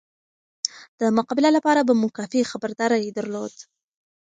د مقابله لپاره به مو کافي خبرداری درلود.